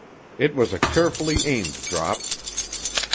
It was a carefully aimed drop.